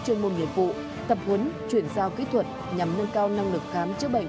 trên môn nhiệm vụ tập huấn chuyển sao kỹ thuật nhằm nâng cao năng lực khám chữa bệnh